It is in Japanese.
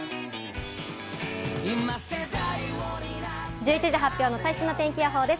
１１時発表の最新の天気予報です。